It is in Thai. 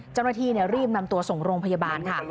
เจ้าหน้าที่รีบนำตัวส่งโรงพยาบาลค่ะ